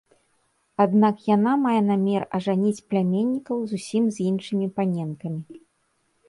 Аднак яна мае намер ажаніць пляменнікаў зусім з іншымі паненкамі.